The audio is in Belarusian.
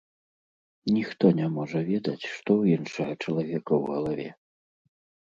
Ніхто не можа ведаць, што ў іншага чалавека ў галаве.